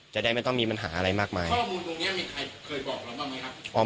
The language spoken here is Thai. จะได้ไม่ต้องมีปัญหาอะไรมากมายข้อมูลตรงเนี้ยมีใครเคยบอกเราบ้างไหมครับ